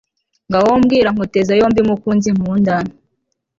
Ngaho mbwira nkuteze yombimukunzi nkunda